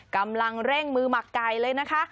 กำลังเร่งมือหมักไก่เลยนะคะ